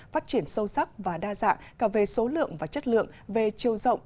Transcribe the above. phát triển sâu sắc và đa dạng cả về số lượng và chất lượng về chiều rộng